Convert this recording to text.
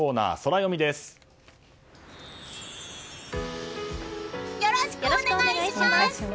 よろしくお願いします！